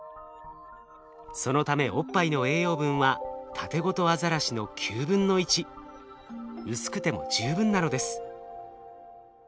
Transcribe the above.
そのためおっぱいの栄養分はタテゴトアザラシの９分の１。薄くても十分なのです。